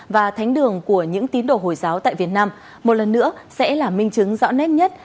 và thánh đường của những tín đồ hồi giáo tại việt nam một lần nữa sẽ là minh chứng rõ nét nhất